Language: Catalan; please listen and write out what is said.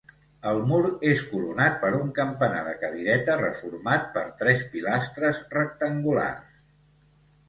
El mur és coronat per un campanar de cadireta reformat per tres pilastres rectangulars.